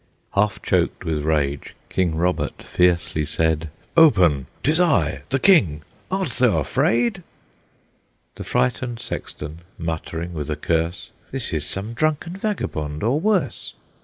Half choked with rage, King Robert fiercely said, "Open: 'tis I, the King! Art thou afraid?" The frightened sexton, muttering, with a curse, "This is some drunken vagabond, or worse!"